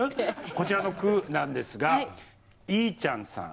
こちらの句なんですがいーちゃんさん。